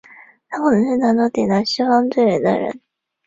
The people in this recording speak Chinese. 他可能是唐朝抵达西方最远的人。